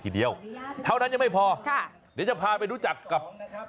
เดี๋ยวจะพาไปรู้จักกับ